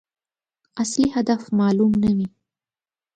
اصلي هدف معلوم نه وي.